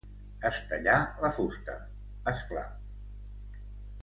Estellar la fusta, és clar.